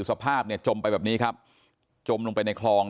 สภาพเนี่ยจมไปแบบนี้ครับจมลงไปในคลอง